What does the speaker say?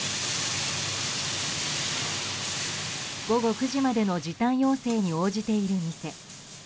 午後９時までの時短要請に応じている店。